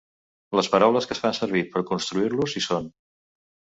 Les paraules que es fan servir per construir-los hi són.